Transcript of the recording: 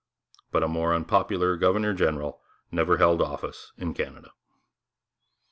But a more unpopular governor general never held office in Canada.